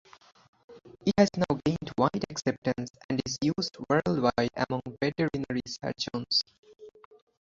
It has now gained wide acceptance and is used worldwide among veterinary surgeons.